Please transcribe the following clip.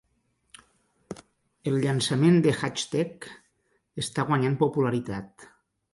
El llançament de Hatchet està guanyant popularitat.